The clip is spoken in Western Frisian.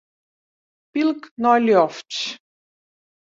Pylk nei lofts.